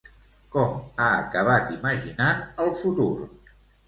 Com ha acabat imaginant el futur?